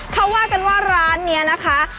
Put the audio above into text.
เขาว่ากันว่าร้านนี้นะคะ